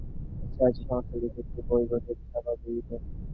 ইচ্ছা আছে, সমস্ত লিখিয়া একটি বই করিয়া ছাপাইব।